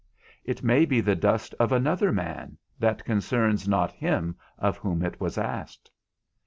It may be the dust of another man, that concerns not him of whom it was asked.